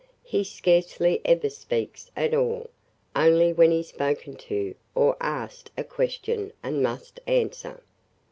He scarcely ever speaks at all, only when he 's spoken to or asked a question and must answer.